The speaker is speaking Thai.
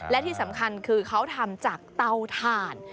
และที่สำคัญคือเขาทำจากเตาถ่าน